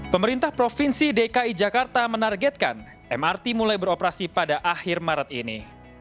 pemerintah provinsi dki jakarta menargetkan mrt mulai beroperasi pada akhir maret ini